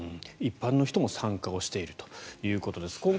一般の人も参加しているということです。